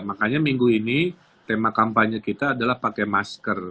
makanya minggu ini tema kampanye kita adalah pakai masker